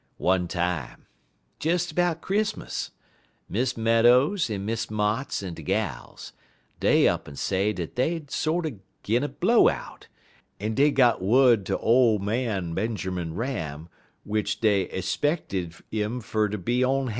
"One time, des 'bout Christmas, Miss Meadows en Miss Motts en de gals, dey up'n say dat dey 'd sorter gin a blowout, en dey got wud ter ole man Benjermun Ram w'ich dey 'speckted 'im fer ter be on han'.